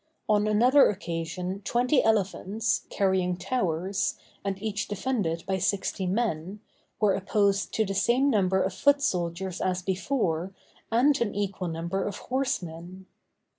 On another occasion twenty elephants, carrying towers, and each defended by sixty men, were opposed to the same number of foot soldiers as before, and an equal number of horsemen.